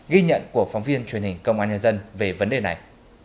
ghi nhận của phóng viên truyền hình công an nhân dân về vấn đề này